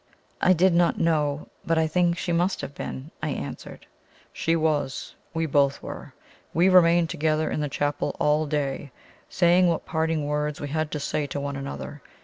"I did not know; but I think she must have been," I answered. "She was. We both were. We remained together in the chapel all day, saying what parting words we had to say to one another.